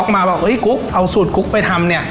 มาบอกเฮ้ยกุ๊กเอาสูตรกุ๊กไปทำเนี่ย